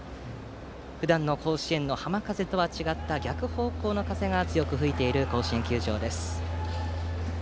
ふだんの甲子園の浜風とは違った逆方向の風が強く吹いている甲子園球場です。